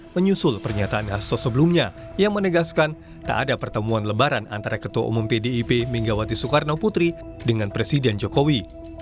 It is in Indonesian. menyusul pernyataan hasto sebelumnya yang menegaskan tak ada pertemuan lebaran antara ketua umum pdip megawati soekarno putri dengan presiden jokowi